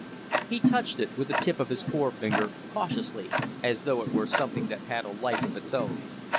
He touched it with the tip of his forefinger, cautiously, as though it were something that had a life of its own.